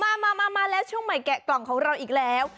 มามาแล้วช่วงใหม่แกะกล่องของเราอีกแล้ว